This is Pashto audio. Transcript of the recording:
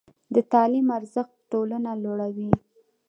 د تعلیم ارزښت ټولنه لوړوي.